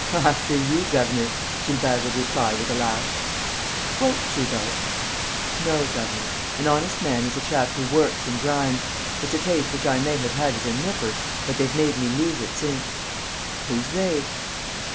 "After you, governor," Gilbert would reply, with a laugh. "Won't you, though?" "No, governor. An honest man is a chap who works and grinds. It's a taste which I may have had as a nipper; but they've made me lose it since." "Who's they?"